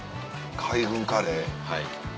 海軍カレー。